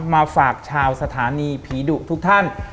มาฝากชาวสถานีผีดุทุกท่าน